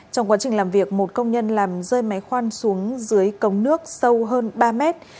trong quá trình làm việc một công nhân làm rơi máy khoan xuống dưới cống nước sâu hơn ba mét